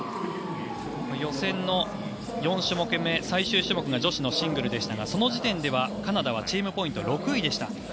予選の４種目目最終種目が女子のシングルでしたがその時点ではカナダはチームポイント６位でした。